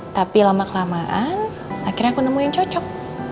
tapi lama kelamaan akhirnya aku nemuin yang cocok